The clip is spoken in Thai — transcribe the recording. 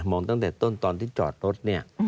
ตั้งแต่ต้นตอนที่จอดรถเนี่ย